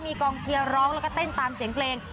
มีกองเชียร์ร้องแล้วก็เต้นตามเสียงเพลง